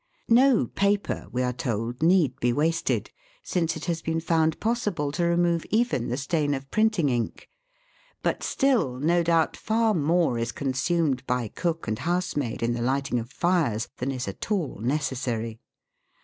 No paper, we are told, need be wasted, since it has been found possible to remove even the stain of printing IV A S TE PA PER. 283 ink, but still no doubt far more is consumed by cook and housemaid in the lighting of fires than is at all necessary.